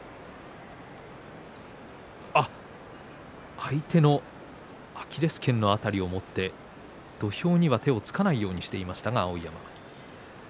相手のアキレスけん辺りを持って土俵には手がつかないようにしていましたが碧山。